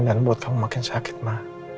dan buat kamu makin sakit ma